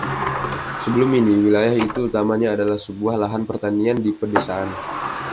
Sebelum ini, wilayah itu utamanya adalah sebuah lahan pertanian di pedesaan.